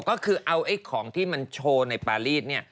ก็คือเอาของที่มันโชว์ในปารีส